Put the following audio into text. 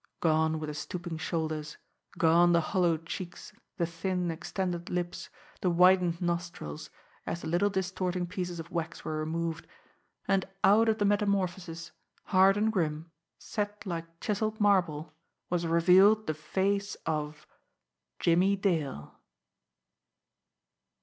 Gone were the stooping shoulders, gone the hollow cheeks, the thin, extended lips, the widened nostrils, as the little distorting pieces of wax were removed; and out of the metamorphosis, hard and grim, set like chiselled marble, was revealed the face of Jimmie Dale.